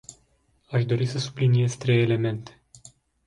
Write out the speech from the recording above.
Aș dori să subliniez trei elemente.